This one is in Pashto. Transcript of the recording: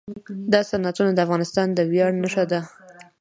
دا صنعتونه د افغانستان د ویاړ نښه ده.